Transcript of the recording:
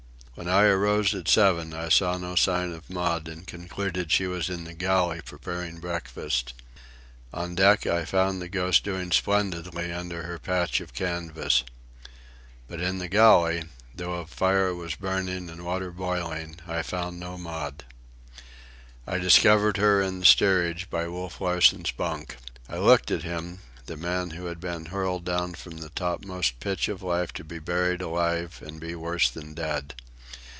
When I arose at seven I saw no sign of Maud and concluded she was in the galley preparing breakfast. On deck I found the Ghost doing splendidly under her patch of canvas. But in the galley, though a fire was burning and water boiling, I found no Maud. I discovered her in the steerage, by Wolf Larsen's bunk. I looked at him, the man who had been hurled down from the topmost pitch of life to be buried alive and be worse than dead.